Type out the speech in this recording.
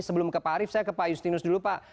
sebelum ke pak arief saya ke pak justinus dulu pak